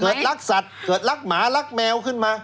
เกิดลักษัตริย์เกิดลักหมาลักแมวขึ้นมา